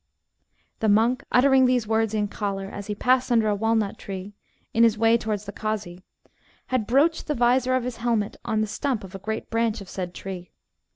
The monk uttering these words in choler, as he passed under a walnut tree, in his way towards the causey, he broached the vizor of his helmet on the stump of a great branch of the said tree.